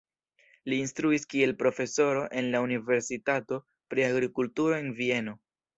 Li instruis kiel profesoro en la Universitato pri agrikulturo en Vieno.